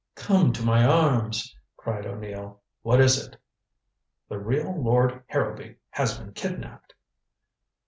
"Come to my arms," cried O'Neill. "What is it?" "The real Lord Harrowby has been kidnaped."